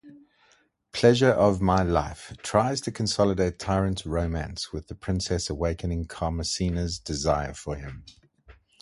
Pleasure-of-My-Life tries to consolidate Tirant's romance with the princess awakening Carmesina's desire for him.